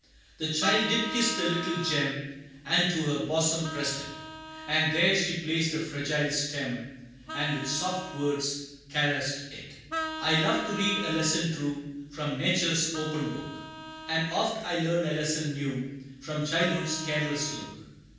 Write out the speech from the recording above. The child did kiss the little gem, And to her bosom pressed it; And there she placed the fragile stem, And with soft words caressed it. I love to read a lesson true, From nature's open book And oft I learn a lesson new, From childhood's careless look.